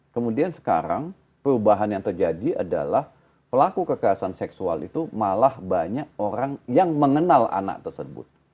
kemudian sekarang perubahan yang terjadi adalah pelaku kekerasan seksual itu malah banyak orang yang mengenal anak tersebut